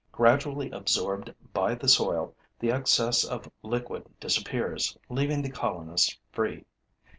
Gradually absorbed by the soil, the excess of liquid disappears, leaving the colonists free.